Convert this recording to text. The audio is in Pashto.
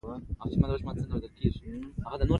ښکار زمریانو کړی خو مړزکه ګیدړانو ته رسېدلې.